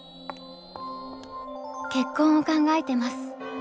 結婚を考えてます。